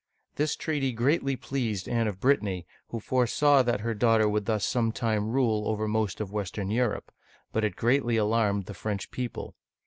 This treaty greatly pleased Anne of Brittany, who foresaw that her daughter would thus sometime rule over most of western Europe ; but it greatly alarmed the French people.